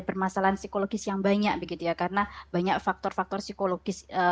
untuk memiliki kemampuan psikologi yang banyak begitu ya karena banyak faktor faktor psikologis